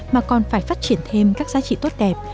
mà còn phải phát triển thêm các giá trị tốt đẹp